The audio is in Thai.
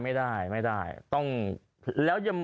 ไม่ได้ไม่ได้